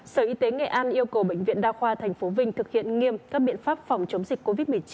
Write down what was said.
sở y tế nghệ an yêu cầu bệnh viện đa khoa tp vinh thực hiện nghiêm các biện pháp phòng chống dịch covid một mươi chín